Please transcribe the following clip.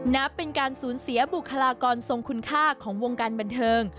นับเป็นการสูญเสียบุคลากรทรงคุณค่าของวงการบันเทิง